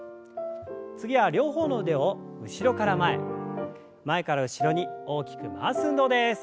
次は両方の腕を後ろから前前から後ろに大きく回す運動です。